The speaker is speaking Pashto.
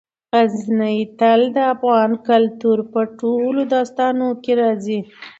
غزني تل د افغان کلتور په ټولو داستانونو کې راځي.